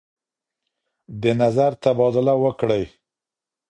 د نظر تبادله وکړئ.